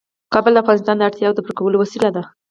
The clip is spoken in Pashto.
کابل د افغانانو د اړتیاوو د پوره کولو وسیله ده.